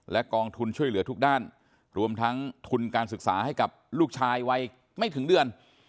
กองทุนช่วยเหลือทุกด้านรวมทั้งทุนการศึกษาให้กับลูกชายวัยไม่ถึงเดือน